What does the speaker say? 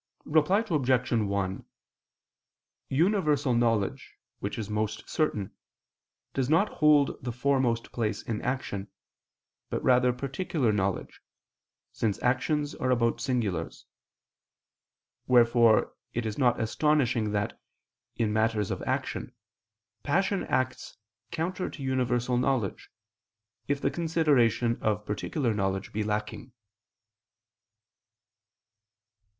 Reply Obj. 1: Universal knowledge, which is most certain, does not hold the foremost place in action, but rather particular knowledge, since actions are about singulars: wherefore it is not astonishing that, in matters of action, passion acts counter to universal knowledge, if the consideration of particular knowledge be lacking.